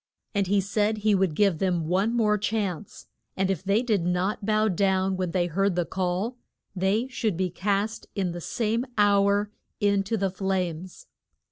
And he said he would give them one more chance, and if they did not bow down when they heard the call, they should be cast in the same hour in to the flames.